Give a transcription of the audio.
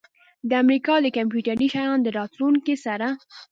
د امریکا د کمپیوټري شیانو د راتلونکي سره